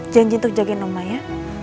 janji untuk jagain oma ya